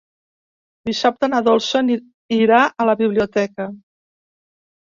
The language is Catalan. Dissabte na Dolça irà a la biblioteca.